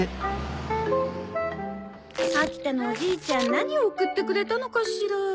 秋田のおじいちゃん何を送ってくれたのかしら。